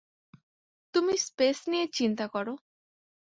তুমি স্পেস নিয়ে চিন্তা কর।